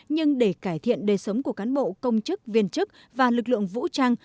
nhưng để cải thiện đời sống của cán bộ công chức viên chức và lực lượng vũ trang